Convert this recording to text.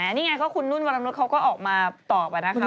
เนี่ยคิ๊งคนโน้นก็ออกมาตอบที่นะทุกว้าง